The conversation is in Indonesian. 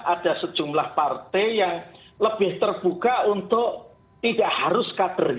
ada sejumlah partai yang lebih terbuka untuk tidak harus kader